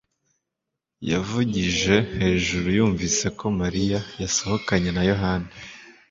yavugije hejuru yumvise ko Mariya yasohokanye na Yohana